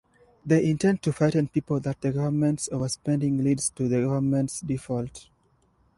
They intend to frighten people that the government's overspending leads to the government's default.